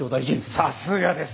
さすがです！